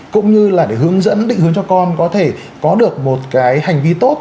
cũng như là để hướng dẫn định hướng cho con có thể có được một cái hành vi tốt